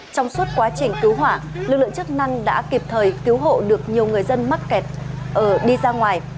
trong suốt quá trình cứu hỏa lực lượng chức năng đã kịp thời cứu hộ được nhiều người dân mắc kẹt đi ra ngoài